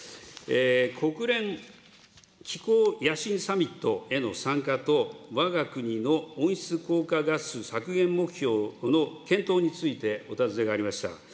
国連気候野心サミットへの参加と、わが国の温室効果ガス削減目標の検討についてお尋ねがありました。